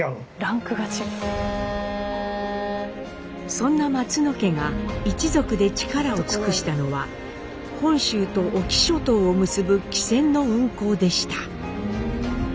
そんな松野家が一族で力を尽くしたのは本州と隠岐諸島を結ぶ汽船の運航でした。